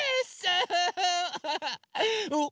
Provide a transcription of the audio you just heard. おっ！